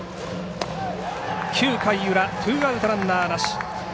９回裏ツーアウトランナーなし